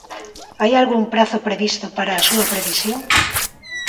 ¿Hai algún prazo previsto para a súa previsión?